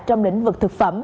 trong lĩnh vực thực phẩm